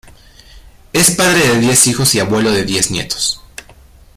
Es padre de diez hijos, y abuelo de diez nietos.